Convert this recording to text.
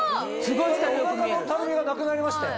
お腹のたるみがなくなりましたよ。